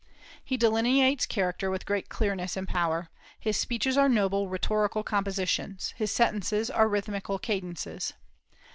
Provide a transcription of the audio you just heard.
He delineates character with great clearness and power; his speeches are noble rhetorical compositions; his sentences are rhythmical cadences.